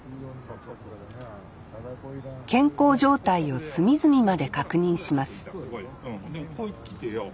健康状態を隅々まで確認しますうん。